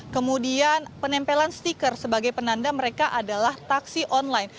kemudian penempelan stiker sebagai penanda mereka adalah taksi online